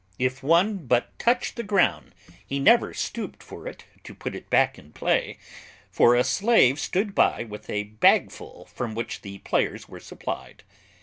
If one but touched the ground, he never stooped for it to put it back in play; for a slave stood by with a bagful from which the players were supplied.